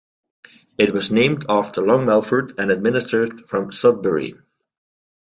It was named after Long Melford and administered from Sudbury.